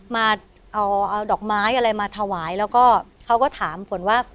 มาเอาดอกไม้อะไรมาถวายแล้วก็เขาก็ถามฝนว่า